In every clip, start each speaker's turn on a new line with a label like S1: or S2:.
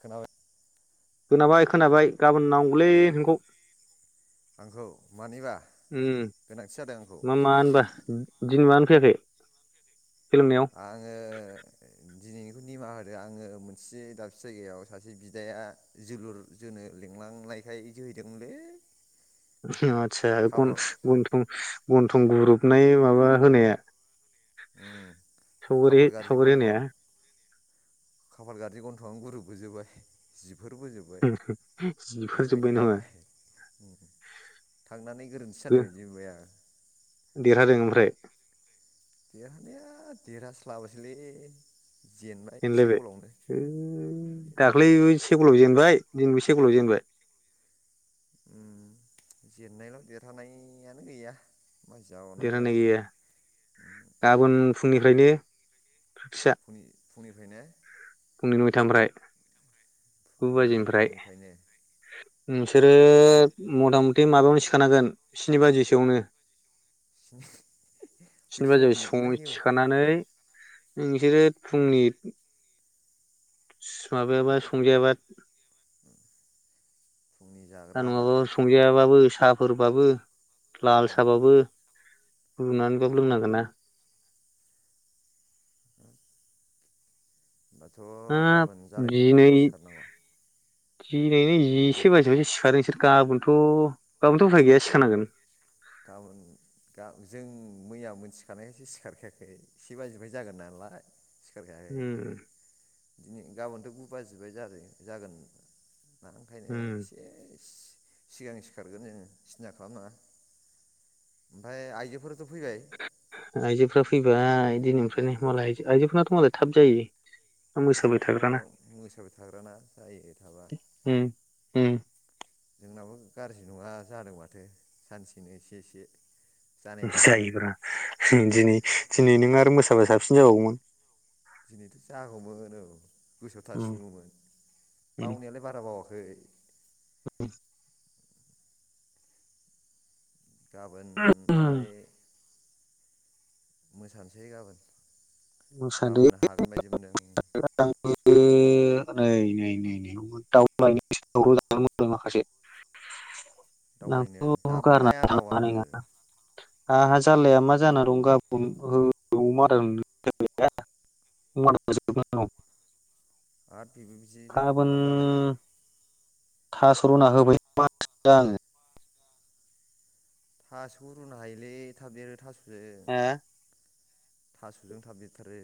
S1: खोनाबाय
S2: खोनाबाय खोनाबाय गाबोन नांगौलै
S1: खोनाबाय
S2: नोंखौ
S1: आंखौ मानिबा गोनांथि जादों आंखौ
S2: मा मा उम होनबा दिनै मा फैयाखै सोलोंनायाव
S1: आङो दिनैनिखौ निमाहा होदो आङो मोनसे दाबसे जायगायाव सासे बिदाया जोलुर जोनो लिंलांनायखाय जोहैदोंमोनलै।
S2: आच्छा
S1: खाफाल
S2: गुन-गुनथं गन्थं गुरुबनाय माबा होनाया
S1: उम खाफाल
S2: सावगारि
S1: गाज्रि गन्थ'आ
S2: सालंहोनाया
S1: खाफाल गारजि गन्थ'आनो गुरोबबोजोबबाय जि बेफोरबो जोब्बाय बेबायदि
S2: जिफोरजोब्बाय नामा
S1: जाबाय थांनानै गोरोन्थि जानाय बायदि मोनबाय आं।
S2: देरहादों ओमफ्राय
S1: देरहानाया देरहास्लाबोसैलै।
S2: जेनलायबाय ओ दाख्लै
S1: जेनबायलै
S2: सेगलाव जेनबाय दिबो से गलावनो जेनबाय
S1: उम जेननायल' देरहानायानो गैया मा जाबोवनांगौ
S2: देरहानाय
S1: जाखो
S2: गैया गाबोन फुंनिफ्रायनो प्रेक्टिसा
S1: फुंनिफ्रायनो
S2: फुंनि नयथानिफ्राय गु
S1: फुंनि
S2: बाजिनिफ्राय
S1: नयथानिफ्रायनो
S2: नोंसोरो
S1: हाब बे
S2: मथा मथि माबानि सि खोनागोन स्नि बाजिसोआवनो।
S1: बे
S2: स्नि
S1: समाव
S2: बाजिआ सं
S1: मेगना गेव
S2: सिखारनानै उम इसोरो फुंनि माबायाबा संजायाबा
S1: फुंनि
S2: दा
S1: जाग्रा
S2: नङाबो
S1: आदार
S2: संजायाबाबो साफोरबाबो लाल
S1: उम
S2: साहाबाबो लुनानैबाबो लोंनांगोन ना
S1: होनोमबाथ'
S2: हाब
S1: गाबोन जालायथारसै सिखारनांगौआ
S2: खि ओरैनो जिसे बाजियावसो सिखारो नोंसोर गाबोनथ' गाबोनथ' उफाय गैया सिखारनांगोन।
S1: गाबोन जों मैया मोनथिखानायखायसो सिखारखायाखै से बाजिनिफ्राय जागोन नालाय। सिखारखायाखै
S2: उम
S1: ओंखायनो। गाबोनथ' गु बाजिबाय जा जागोन ना ओंखायनो
S2: उम
S1: एसे सिगां सिखारगोन जोङो सिन्था खालामनाङा। ओमफाय आइजोफोर
S2: आयजोफ्रा फैबाय। दिनैनिफ्रायनो मालाय आयजोफोरनाथ' मालाय थाब जायो। मोसाबाय
S1: बिसनाथ
S2: थाग्राना
S1: मोसाबाय थाग्राना जायो थाबा।
S2: उम उम।
S1: जोंनाबो गाज्रि नङा जादों माथो सानसेनो एसे एसे। जानाय बायदि मोनदों
S2: जायोब्रा दिनै दिनै नों आरो मोसाबा साबसिन जाबावगौमोन।
S1: दिनैथ' जागौमोन औ गोसोआव
S2: उम
S1: थासिनगौमोन बावनायालाय बारा बावाख खै।
S2: उम।
S1: गाबोन
S2: उम
S1: बालाय मोसानसै गाबोन।
S2: मोसादो
S1: गाबोन हागोन बायदि मोनदों।
S2: [unintelligible] नै नै नै नै दाउ [unintelligible] माखासे
S1: दाउलायनो
S2: आंथ'
S1: दाबो
S2: गारना
S1: लाया
S2: थांनो हानाय
S1: दाउआबो?
S2: नङा आंहा जाललाया मा जाना दं गाबोन ओ अमा आदार [unintelligible] [unintelligible]
S1: आद बेबो बिदि जे
S2: गाबोन
S1: माबा जालायबाय।
S2: थास रुना होबाय [unintelligible]
S1: थास' रुनो हायोलै थाब देरो थास
S2: हो?
S1: थास'जों थाब देदथारो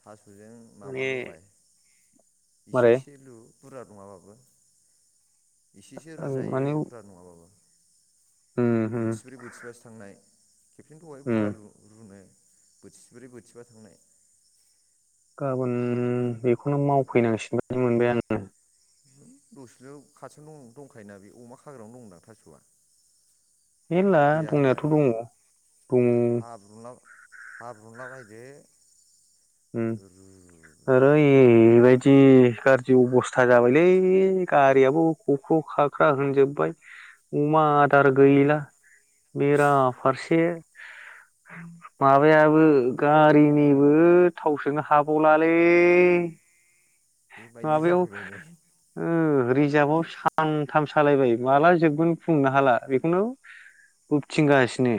S1: थास जों माबा
S2: माने
S1: लगाय इसे
S2: मारै
S1: इसे लु। बुरजा नङाबाबो इसेसो रुजायो
S2: माने
S1: बुरा नङाबाबो।
S2: उम उम
S1: बोथिब्रै बोथिबासो थांनाय। खेबसेनो दहाय
S2: उम
S1: बुरजा लु रुनो बोथिब्रै बोथिबा थांनाय।
S2: गाबोन बेखौनो मावफैनांसिगोन बायदि मोनबाय आङो।
S1: दसेल' खाथियाव दं दंखायोना बे अमा खाग्रायावनो दं दा थास'आ
S2: मेनला
S1: गैया
S2: दंनायाथ
S1: होनलाय
S2: दङ दङ
S1: हाब्रुना लायदो
S2: उम
S1: अरल'
S2: आरैबायदि गार जि अबस्था जाबायलै गारियाबो अके खाख्रा होनजोबबाय अमा आदार गैला बेराफारसे माबायाबो गारिनिबो थाव सोनो हाबावलालै।
S1: बेबायदि
S2: माबायाव
S1: जाफैबाय नै
S2: ओ रिजारभआव सां थाम सालायबाय माला जोबगोन बुंनोनो हाला बेखौनो बोबथिंगासिनो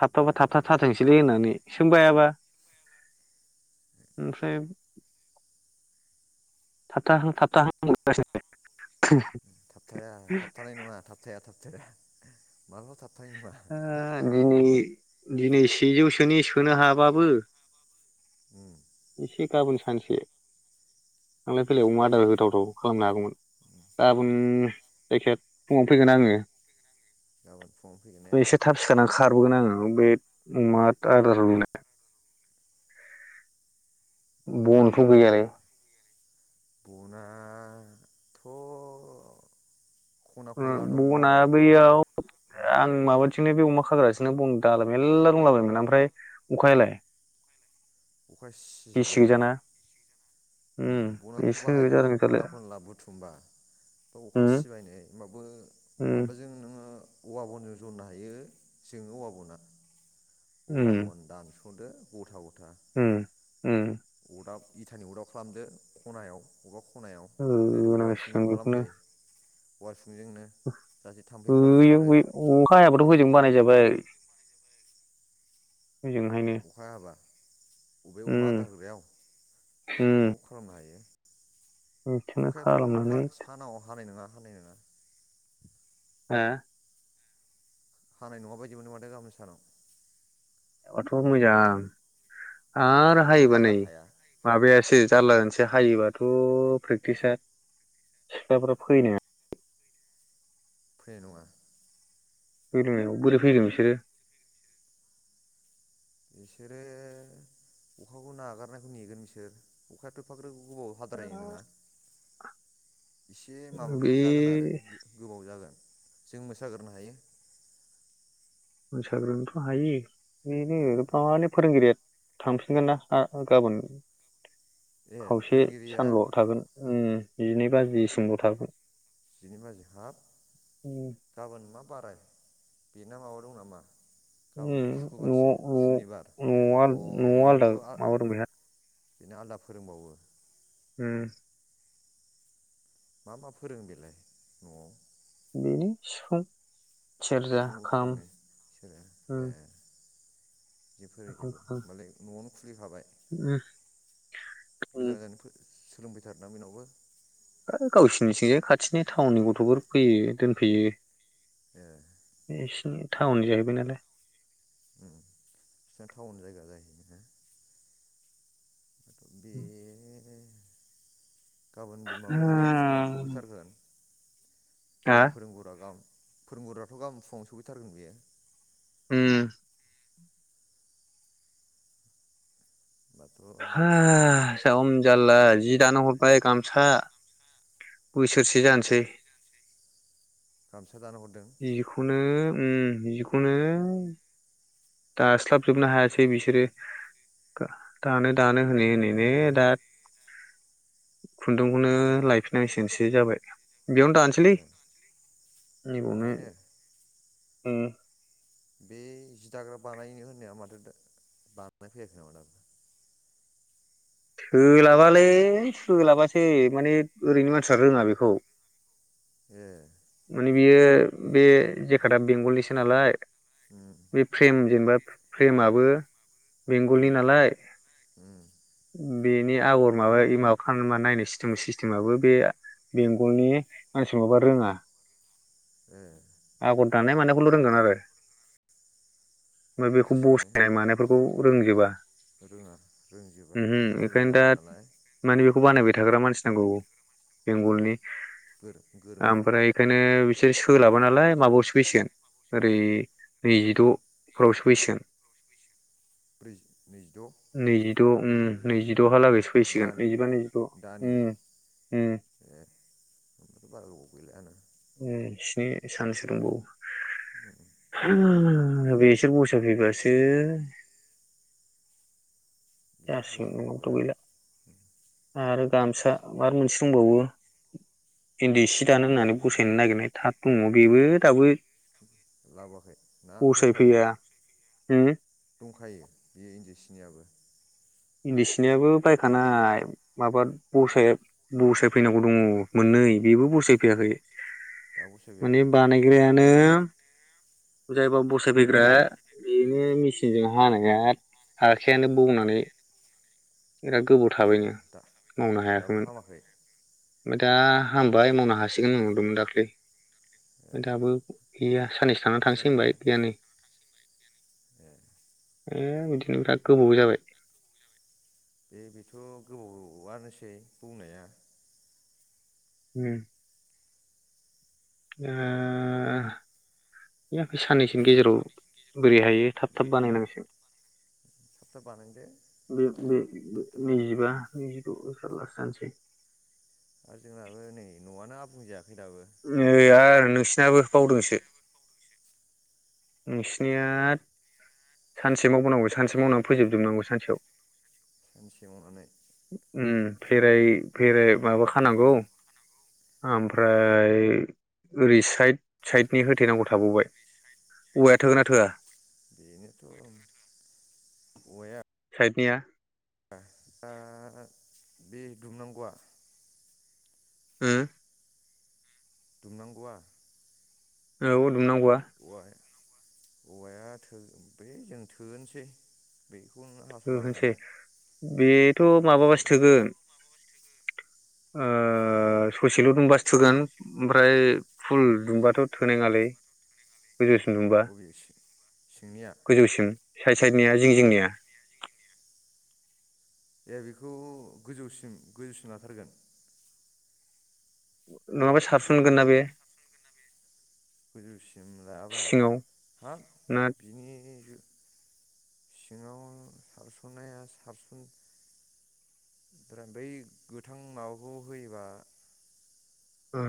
S2: थाबथाबा
S1: जालालै
S2: थाबथाब
S1: जाला
S2: थारथोंसैलै होननानै सोमबायाबा ओमफ्राय थाबथाहां थाबथाहां [unintelligible]
S1: थाबथाया थाबथानाय नङा थाबथाया थाब [inaudible] माला थाब नाय नङा
S2: दिनै दिनै सेजौसोनि सोनो हाबाबो
S1: उम
S2: एसे गाबोन सानसै थांलाय फैलाय अमा आदार
S1: सेजौसेनि
S2: होथावथाव खालामनो हागौमोन गाबोन। जायखिजाया फुङावनो फैगोन आङो।
S1: गाबोन फुङाव फैगोन ने?
S2: ओमफ्राय एसे थाब सिखारनानै खारबोगोन आङो बे अमा आदार रुनाय बन थ गैयालै
S1: नाथ'
S2: ओ बना बैयाव आं माबाथिंनो बे अमा खाग्राथिंनो बन दालाय मेरला दंलाबायमोन ओमफ्राय अखायालाय
S1: अखा
S2: गिसि
S1: सिजोब्बायना
S2: गोजाना
S1: उम बनाथ'
S2: बेसो
S1: बाहायबो दङ
S2: जादों
S1: खना
S2: जारलाया
S1: खनला बुथुमबा बा अखा
S2: उम
S1: सिबायनै होमबाबो
S2: उम
S1: माबाजों नोङो औवा बनजों नो हायो जोङो औवा ब'ना। औवा
S2: उम
S1: बन दान सदो गथा
S2: उम उम
S1: दाब इथानि अदाब खालामदो खनायाव [unintelligible] खनायाव ओरै औवासुंजों
S2: होनांसिगोन
S1: खालाम फै [unintelligible]
S2: बैयाव बै अखा हायाबथ' होजों बानायजाबाय। हजोंहायनो
S1: अखा हायाबा अबे
S2: उम
S1: अमा आदार होग्रायाव
S2: उम
S1: औ खालामनो हायो।
S2: बिखौनो
S1: अखायाथ'
S2: खालामनानै
S1: हा सानाव हानाय नोङा।
S2: हा
S1: हानाय नङा बायदि मोनो माथो गाबोन सानाव।
S2: आथ' मोजां आरो
S1: हाबाथ'
S2: हायोबा नै
S1: हाजाखाया
S2: माबायासो
S1: उम
S2: जारला जासै हायोबाथ' प्रेक्टिसा सिख्लाफोरा फैनो
S1: फैनाय नङा।
S2: [unintelligible] नायाव बोरै फैगोन बिसोरो?
S1: बिसोरो अखाखौ नागारनायखौ नेगोन बिसोर अखायाथ' एफाग्रोब गोबाव हाद्राय नोङा एसे माबाफोर
S2: बे
S1: जागोन आरो गोबाव जागोन। जों मोसा गोरनो हायो।
S2: मोसाग्रोनथ' हायो। बेनो
S1: उम
S2: फानो फोरोंगिरिया थांफिनगोन ना आ गाबोन
S1: ए
S2: खावसे
S1: फोरोंगिरिया
S2: सानदुआव थागोन उम जिनै बाजिसिमल थागोन।
S1: जिनै बाजि हाब
S2: न'
S1: गाबोन मा बाराय बेना माबा दं नामा? गाबोनथ'
S2: न'
S1: सुखुबारसो सुनिबार
S2: न'आव
S1: अ'
S2: न'आव आलदा
S1: न'आवबो आ
S2: माबा दंबायना
S1: ना आलदा फोरोंबावो?
S2: उम
S1: मा मा फोरोंङो बेलाय न'आव?
S2: बेनो सिफुं सेरजा
S1: सिफुंबो
S2: खाम
S1: फोरोङो बिसोरो ए जि फोरोंजोबो मालाय न'आवनो। खुलि खाबाय।
S2: उम उम,
S1: गोजान गोजान फो सोलों फैथारोना बेनावबो।
S2: गावसोरनिथिंजाय खाथिनि टाउननि गथ'फोर फैयो दोनफैयो
S1: ए
S2: ए सिनि थाउननि जाहैबाय नालाय
S1: बिसिना टाउन जायगा जाहैबायना बे गाबोन बिमाबाथ' बिदि फुङाव सफैथारगोन
S2: हा
S1: जोंना फोरोंगुरा गा फोरोंगुरूआथ' गामोन फुङाव सफैथारगोन बेयो
S2: हम
S1: होमबाथ'
S2: [unintelligible] जारला जि दानो हरबाय गामसा बोसोरसे जानोसै
S1: गामसा दानो हरदों?
S2: नो ओं जिखनो दास्लाबजोबनो हायासै बिसोरो दानो दानो होनै होनै ने दा खुन्दुंखौनो
S1: मा जाखो
S2: लायफिनांसिगोनसो बे जाबाय बेयावनो दानोसैलै
S1: ए
S2: नैबयावनो
S1: बाहायनो
S2: हम
S1: बे जि दाग्रा बानायनो होननाया माथो बानाय फैयाखै नामा दबो?
S2: सोलाबालै सोलाबासै माने ओरैनो मानसिफोरा रोङा बेखौ
S1: ए
S2: मानि बियो बे जेकाटआ बेंगलनिसो नालाय
S1: उम
S2: बे फ्रेम जेनेबा फ्रेमाबो
S1: उम
S2: बेंगलनि नालाय
S1: उम
S2: बेनि आगर माबा माबा खालामा नायनाय सिटेम सिस्टेमाबबो बे बेंगलनि मानसिफोर माबा रोङा
S1: ए
S2: आगर दानाय मानायखौल' रोंगोन आरो ओमफ्राय बेखौ
S1: बिदिसोनो
S2: बसायनाय मानायफोरखौ खौ रोंजोबा
S1: रोङा रोंजोबा आलदा जाबाय नालाय
S2: खौ बानायबाय थाग्रा मानसि नांगौ
S1: उम
S2: बेंगलनि
S1: गोरों गोरोंखा
S2: ओमफ्राय बेखायनो बिसोर सोलाबोना लाय माबायावसो फैसिगोन ओरै
S1: माया
S2: नैजिद' फाव सो फैसिगोन।
S1: ब्रै नैजिद'
S2: द' नैजिद' दहालागै सैयैसिगोन
S1: दानि
S2: नैजिबा नैजिद' उम
S1: दानि
S2: उम
S1: ए ओमफ्राय बारा गोबाव गैला आंना
S2: ओइस बे सानसो दंबावो बेसोर बसायफैबासो।
S1: बिसोर
S2: जारसिगोन
S1: बोसोर
S2: न'आवथ'
S1: गैबा
S2: गैला आरो गामसा मार मोनस बुंबावो इन्दि सि दान
S1: जि
S2: होननानै फसायनो नागिरनाय थाब दङ बेबो दाबो
S1: लाबोयाखै ना दंखायो
S2: बसायफैया उम
S1: दंखायो बे इन्दि सिनियाबो।
S2: इन्दि सिनियाबो बायखानाय माबा बसाय बसायफैनांगौ दङ मोननै बेबो बसायफैयाखै।
S1: दाबो
S2: माने
S1: सोगायाखै
S2: बानायग्राया नो जायबा बसायफैग्रा बेनो मेसिनजों हानो हाया आखायानो बौनानै बिराद गोबाव
S1: ए
S2: थाबायनो
S1: दा
S2: मावनो
S1: दाबो
S2: हायाखैमोन
S1: हामाखै
S2: ओमफाय दा हामबाय मावनो हासिगोन होनहरदोंमोन दाख्लै
S1: ए
S2: ओमफाय दाबो गैया साननैसो थांनानै
S1: बिदिसो
S2: थांसै
S1: जादों
S2: होनबाय
S1: ने
S2: गैया नै।
S1: ए
S2: ए बिदिनो बिराद गोबाव जाबाय
S1: ए बेथ' गोबावानोसै बौनाया
S2: उम एह बेै साननैसोनि गेजेराव बोरै हायो थाब
S1: बे
S2: थाब बानायनांसिगोन।
S1: थाब थाब बानायदो
S2: बे बे
S1: थाब थाब जानाय
S2: नैजिबा
S1: बायदि
S2: नैजिद' जारलासो जानोसै।
S1: आरो जोंनाबो नै न'आनो आबुं जायाखै दाबो
S2: [unintelligible] नाबो बावदोंसो नोंसिनिया सानसे मावबावनांगौ सानसे मावनानै फोजोबजोबनांगौ सानसेयाव।
S1: सानसेयाव हानाय
S2: उम फेराय फेराय माबा खानांगौ।
S1: उम
S2: ओमफ्राय फ्राय ओरै साइद साइदनि होथेनांगौ थाबावबाय औवाया थोगोनना थोया?
S1: बेनोथ' औवाया
S2: साइडनिया
S1: दा बे दुमनांगौआ
S2: हो
S1: दुमनांगौआ
S2: औ दुमनांगौआ
S1: औवा औवाया थो बै जों थोहोसै बे
S2: थोहोनसै बेथ माबाबासो थोगोन। ओ ससेल दुमबासो थोगोन ओमफ्राय फुल दुंमबाथ थोनाय नङालै। गोजौसिम दुंबा
S1: अबे सिंनिया
S2: गोजौसिम। साइड साइडनिया जिं जिंनिया।
S1: ए बेखौ गोजौसिम गोजौसिम लाथारगोन।
S2: नङाब्ला सारसनगोना बे।
S1: गोजौसिम लायाबा
S2: सिङाव
S1: हाब
S2: ना
S1: बिनि सिङाव सारस'नाया सारसन फ्राय बै गोथां माबाखौ होयोबा।
S2: ओ।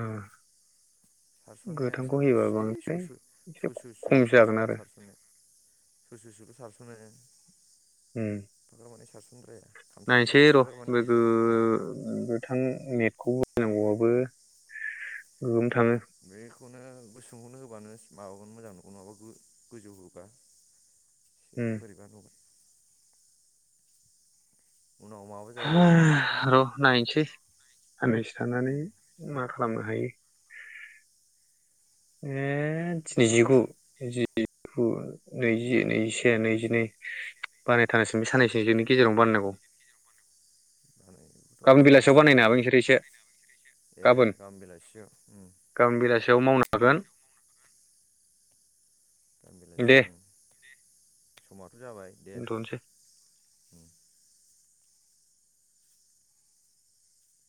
S1: सारस'ननाया
S2: गोथांखौ होयोबा बां
S1: सिय स
S2: एसे खम
S1: सससल'
S2: जागोन
S1: सारस'नो
S2: आरो
S1: सारस'ननाया। ससे ससेल' सारसनो।
S2: उ
S1: माने सारसनद्राया
S2: नायसै
S1: खामसालियाव
S2: र'
S1: एफाग्राब माने
S2: लोगो
S1: अरजाया उम
S2: गोथां नेटखौबो नांगौआबो गोगोम थाङो
S1: बेखौनो सोंहरनो होबानो माबागोन मोजां नंगौ नङाबा गोजौ होबा। एसे
S2: उम
S1: बोरैबा नुगोन उनाव माबा जायो
S2: हो र' नायसै। साननैसो थानानै
S1: उम
S2: मा खालामनो हायो ए।
S1: बै
S2: दिनैजिगु जि गु नैजि नैजिसे नैजिनै बानायथारनांसिगोन बे साननैसोनि जोंनि गेजेरावनो बानायनांगौ।
S1: बानायनोबोथ'
S2: गाबोन बेलासियाव बानायनो
S1: सानसेल'
S2: हाबाय नोंसोरो एसे
S1: ए
S2: गाबोन
S1: गामोन बेलासियाव ओ।
S2: थेवबो मावनो हागोन।
S1: गाबोन
S2: दे
S1: बेलासियाव दे। समा जाबाय दे।
S2: दोनथ'नोसै
S1: उ